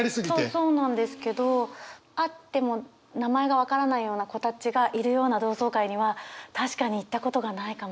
そうなんですけど会っても名前が分からないような子たちがいるような同窓会には確かに行ったことがないかもしれない。